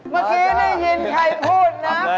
เมื่อกี้ได้ยินใครพูดนะ